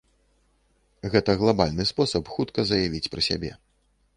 Гэта глабальны спосаб хутка заявіць пра сябе.